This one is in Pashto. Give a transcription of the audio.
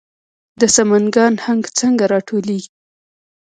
د سمنګان هنګ څنګه راټولیږي؟